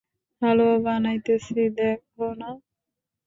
হালুয়া বানাইতেছি, দেখো না?